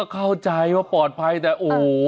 เข้าใจว่าปลอดภัยแต่โอ้โห